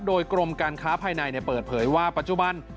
โดยกรมการค้าภายในเปิดเผยว่าปัจจุบัน